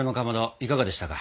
いかがでしたか？